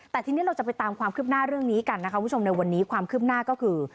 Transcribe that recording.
แต่ทีนี้เราจะไปตามความคืบหน้าเรื่องนี้กันนะคะคุณผู้ชมในวันนี้ความคืบหน้าก็คือ